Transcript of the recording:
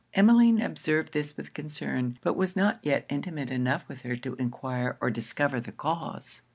Emmeline observed this with concern; but was not yet intimate enough with her to enquire or discover the cause.